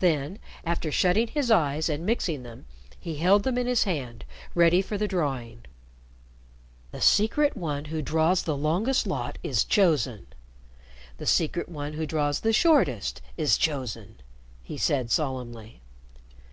Then, after shutting his eyes and mixing them, he held them in his hand ready for the drawing. "The Secret One who draws the longest lot is chosen. The Secret One who draws the shortest is chosen," he said solemnly.